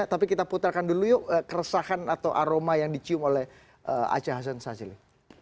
tapi kita putarkan dulu yuk keresahan atau aroma yang dicium oleh aca hasan sazili